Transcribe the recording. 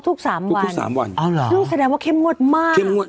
ทุก๓วันคือแสดงว่าเข้มงดมาก